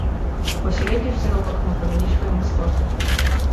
Бо сярэдні ж заробак мы павялічваем істотна.